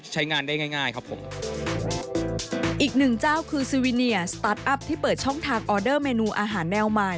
ให้นักดูแลนะครับ